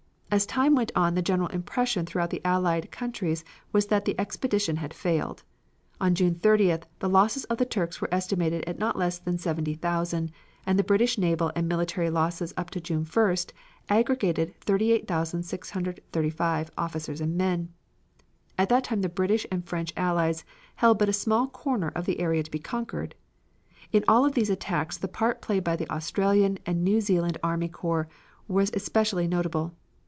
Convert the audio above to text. As time went on the general impression throughout the Allied countries was that the expedition had failed. On June 30th the losses of the Turks were estimated at not less than seventy thousand, and the British naval and military losses up to June 1st, aggregated 38,635 officers and men. At that time the British and French allies held but a small corner of the area to be conquered. In all of these attacks the part played by the Australian and New Zealand army corps was especially notable.